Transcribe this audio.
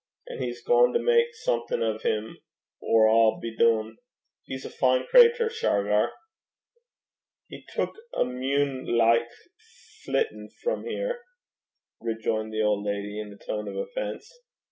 An' he's gaein' to mak something o' 'im, or a' be dune. He's a fine crater, Shargar.' 'He tuik a munelicht flittin' frae here,' rejoined the old lady, in a tone of offence.